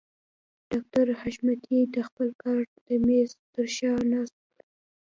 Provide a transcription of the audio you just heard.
ډاکټر حشمتي د خپل کار د مېز تر شا ناست و.